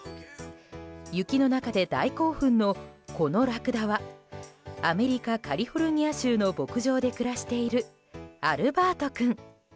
雪の中で大興奮のこのラクダはアメリカ・カリフォルニア州の牧場で暮らしているアルバート君。